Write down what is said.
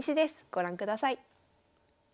ご覧ください。